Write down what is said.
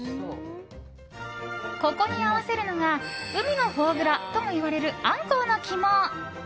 ここに合わせるのが海のフォアグラともいわれるアンコウの肝。